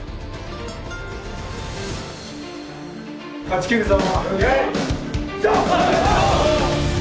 勝ち切るぞ！